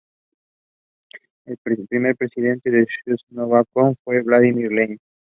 El primer Presidente del Sovnarkom fue Vladímir Lenin.